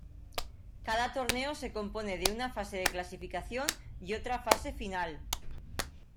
Cada torneo se compone de una fase de clasificación y otra fase final.